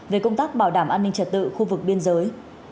về công tác bảo đảm an ninh trật tự khu vực biên giới